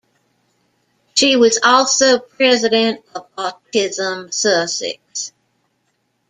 She was also President of Autism Sussex.